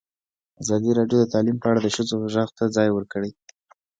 ازادي راډیو د تعلیم په اړه د ښځو غږ ته ځای ورکړی.